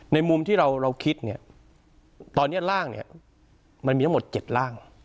มุมที่เราคิดเนี่ยตอนนี้ร่างเนี่ยมันมีทั้งหมด๗ร่าง